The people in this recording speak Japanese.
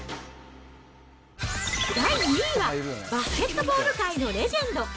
第２位は、バスケットボール界のレジェンド。